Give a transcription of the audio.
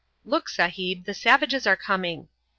("Look, Sahib, the savages are coming!").